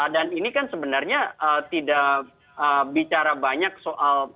dan ini kan sebenarnya tidak bicara banyak soal